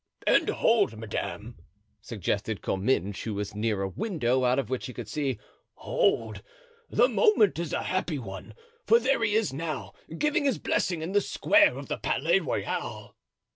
"And hold, madame," suggested Comminges, who was near a window, out of which he could see; "hold, the moment is a happy one, for there he is now, giving his blessing in the square of the Palais Royal."